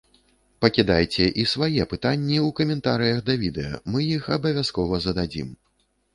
Пакідайце і свае пытанні ў каментарыях да відэа, мы іх абавязкова зададзім!